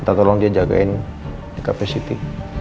kita tolong dia jagain kapasiti